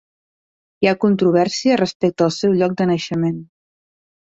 Hi ha controvèrsia respecte al seu lloc de naixement.